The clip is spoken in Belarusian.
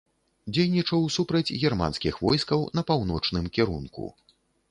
Дзейнічаў супраць германскіх войскаў на паўночным кірунку.